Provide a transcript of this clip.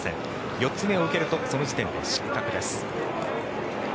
４つ目を受けるとその時点で失格です。